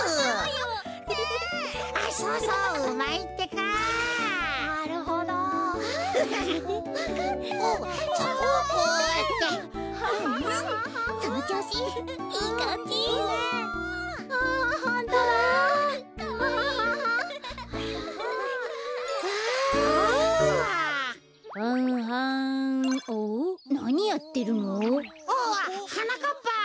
おおっはなかっぱ。